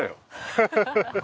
ハハハハッ。